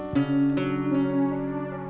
tidak ada apa apa